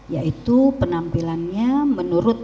yaitu penampilannya menurutnya